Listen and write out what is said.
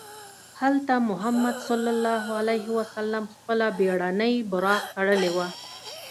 هلته محمد صلی الله علیه وسلم خپله بېړنۍ براق تړلې وه.